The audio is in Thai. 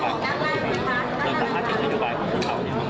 และต่างจากนัยนโยบายของคุณเขาเนี่ย